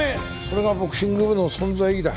それがボクシング部の存在意義だ。